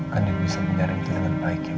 kami bisa mencari itu dengan baik ya om